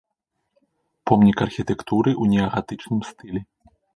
Помнік архітэктуры ў неагатычным стылі.